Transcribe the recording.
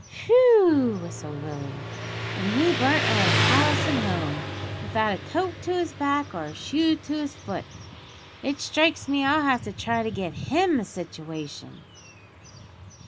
"Whew!" whistled Willie, "an' he burnt out o' house and home, without a coat to his back or a shoe to his foot. It strikes me I'll have to try to get him a situation."